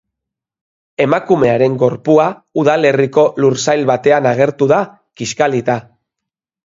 Emakumearen gorpua udalerriko lursail batean agertu da, kiskalita.